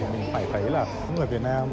thì mình phải thấy là những người việt nam